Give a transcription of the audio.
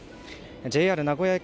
ＪＲ名古屋駅